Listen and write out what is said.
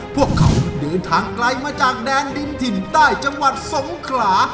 พวกเขาเดินทางไกลมาจากแดนดินถิ่นใต้จังหวัดสงขลา